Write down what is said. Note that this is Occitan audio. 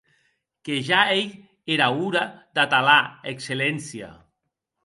Que ja ei era ora d’atalar, Excelléncia!